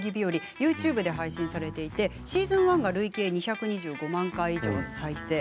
ＹｏｕＴｕｂｅで配信されていてシーズン１が累計２２５万回以上再生。